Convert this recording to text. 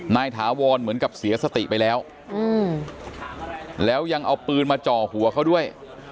ถาวรเหมือนกับเสียสติไปแล้วแล้วยังเอาปืนมาจ่อหัวเขาด้วย